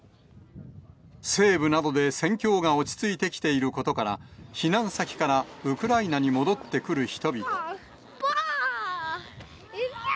西部などで戦況が落ち着いてきていることから、避難先からウクライナに戻ってくる人々。